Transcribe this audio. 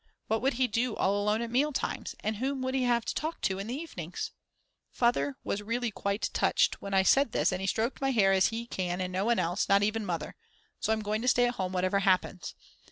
What would he do all alone at meal times, and whom would he have to talk to in the evenings? Father was really quite touched when I said this and he stroked my hair as he can and no one else, not even Mother. So I'm going to stay at home whatever happens.